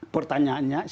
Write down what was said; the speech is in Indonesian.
pertanyaannya itu adalah